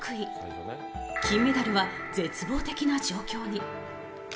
金メダルは絶望的な状況に。